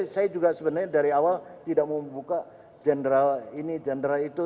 saya juga sebenarnya dari awal tidak mau membuka general ini jenderal itu